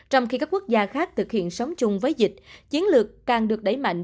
trong khi các quốc gia khác thực hiện sống chung với dịch chiến lược càng được đẩy mạnh